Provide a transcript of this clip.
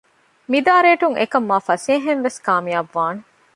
މިދާ ރޭޓުން އެކަން މާ ފަސޭހައިން ވެސް ކާމިޔާބު ވާނެ